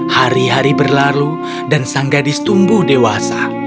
hari hari berlalu dan sang gadis tumbuh dewasa